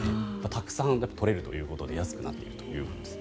たくさん取れるということで安くなっているということです。